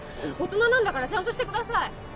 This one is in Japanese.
大人なんだからちゃんとしてください！